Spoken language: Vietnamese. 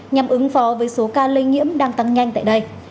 nhằm ứng phó với số ca lây nhiễm đang tăng nhanh tại đây